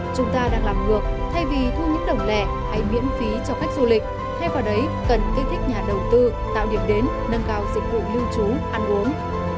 chúng ta đang làm ngược thay vì thu những đồng lẻ hay miễn phí cho khách du lịch thay vào đấy cần kích thích nhà đầu tư tạo điểm đến nâng cao dịch vụ lưu trú ăn uống